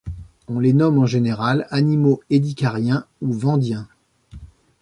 On les nomme en général animaux Édiacariens ou Vendiens.